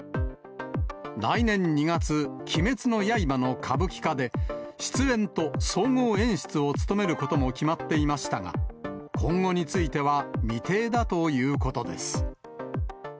来年２月、鬼滅の刃の歌舞伎化で、出演と総合演出を務めることも決まっていましたが、今後については未定だということです。